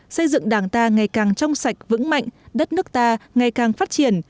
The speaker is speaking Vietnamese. xây dựng đảng ta ngày càng trong sạch vững mạnh đất nước ta ngày càng phát triển